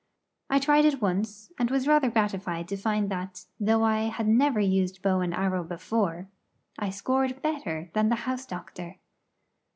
I tried it once, and was rather gratified to find that, though I had never used bow and arrow before, I scored better than the house doctor.